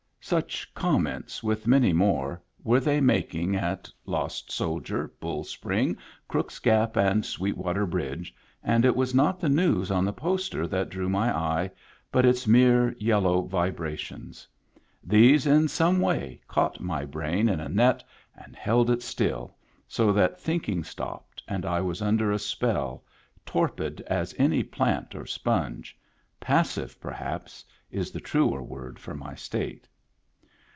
Such comments, with many more, were they making at Lost Soldier, Bull Spring, Crook's Gap, and Sweetwater Bridge, and it was not the news on the poster that drew my eye, but its mere yellow vibrations. These, in some way, caught my brain in a net and held it still, so that thinking stopped, and I was under a spell, torpid as any plant or sponge — passive, perhaps, is the truer word for my state.